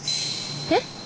えっ？